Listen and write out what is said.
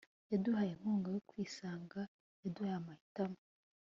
yaduteye inkunga yo kwisanga yaduhaye amahitamo